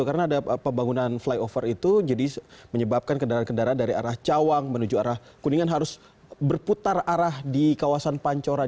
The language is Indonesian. karena ada pembangunan flyover itu jadi menyebabkan kendaraan kendaraan dari arah cawang menuju arah kuningan harus berputar arah di kawasan pancoran